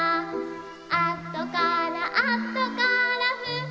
「あとからあとからふってきて」